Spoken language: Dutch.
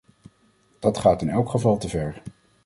Dat gaat in elk geval te ver.